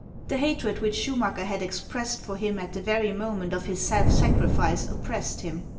The hatred which Schu macker had expressed for him at the very moment of his self sacrifice oppressed him.